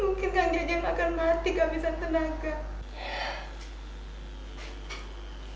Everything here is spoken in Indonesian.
mungkin kang jajan akan mati kehabisan tenaga